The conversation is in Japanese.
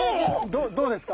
どどうですか？